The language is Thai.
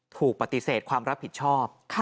ถูกปฏิเสธความรับผิดชอบ